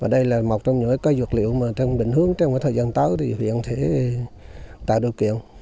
đây là một trong những cây dược liệu mà trong định hướng trong thời gian tới thì huyện sẽ tạo điều kiện